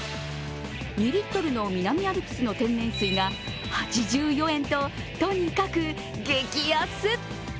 ２リットルの南アルプスの天然水が８４円ととにかく激安。